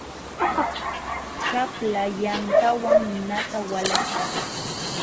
Chapla yantawan ninata walachiy.